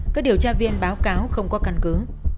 các điều tra viên báo cáo không có căn cứ